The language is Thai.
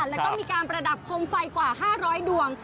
แล้วก็มีการประดับโคมไฟกว่า๕๐๐ดวง